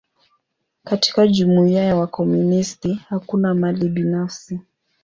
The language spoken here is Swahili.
Katika jumuia ya wakomunisti, hakuna mali binafsi.